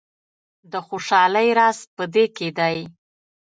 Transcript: د خوشحالۍ راز په دې کې دی.